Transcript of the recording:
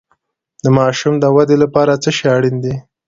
د ماشوم د ودې لپاره څه شی اړین دی؟